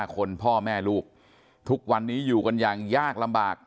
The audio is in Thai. คนพ่อแม่ลูกทุกวันนี้อยู่กันอย่างยากลำบาก